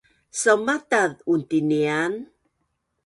saumataz untinian